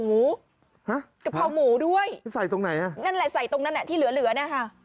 ห้ะด้วยนี่ใส่ตรงไหนนั่นแหละใส่ตรงนั่นแหละที่เหลือน่ะค่ะ